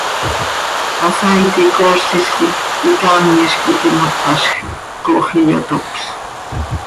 Hasaaiti coozlil quih hicaamiz quih iti himo tpazjc, coox iyotopl.